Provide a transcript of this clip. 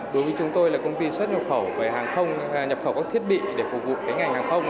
đối với chúng tôi là công ty xuất nhập khẩu về hàng không nhập khẩu các thiết bị để phục vụ ngành hàng không